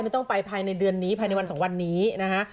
ต้องไปภายในเดือนนี้ภายในวันสองวันนี้นะฮะ